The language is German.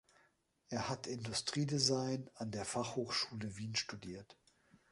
Er hat Industriedesign an der Fachhochschule Wien studiert.